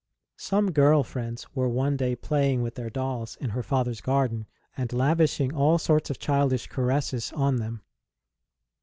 Some girl friends were one day playing with their dolls in her father s garden, and lavishing all sorts of childish caresses on them.